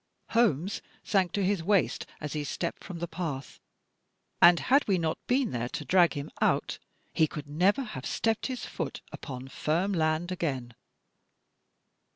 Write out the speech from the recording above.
Holmes sank to his waist as he stepped from the path, and had we not been there to drag him out he could never have stepped his foot upon firm land again."